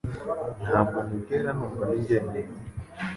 Ntabwo nigera numva ndi jyenyine